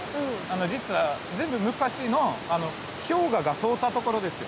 実は随分昔の氷河が通ったところですよ。